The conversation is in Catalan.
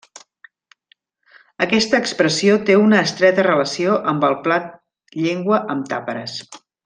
Aquesta expressió té una estreta relació amb el plat llengua amb tàperes.